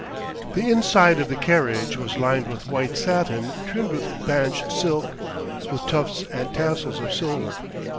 The inside of the carriage was lined with white satin trimmed with Binche silk, with tufts and tassels of silver.